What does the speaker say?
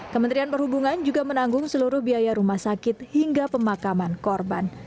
kementerian perhubungan juga menanggung seluruh biaya rumah sakit hingga pemakaman korban